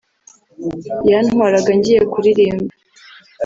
yantwaraga ngiye kuririmba